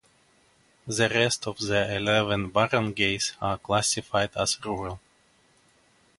The rest of the eleven barangays are classified as rural.